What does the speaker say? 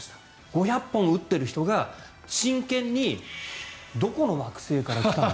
５００本打っている人が真剣にどこの惑星から来たの？